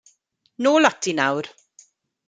Nôl ati nawr.